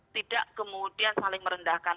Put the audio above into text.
tidak kemudian saling merendahkan